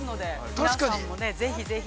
◆皆さんもぜひぜひ。